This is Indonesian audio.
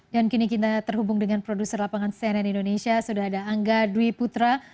dan kini kita terhubung dengan produser lapangan cnn indonesia sudah ada angga dwi putra